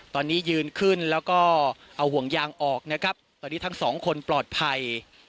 ตอนนี้ยืนขึ้นแล้วก็เอาห่วงยางออกนะครับตอนนี้ทั้งสองคนปลอดภัย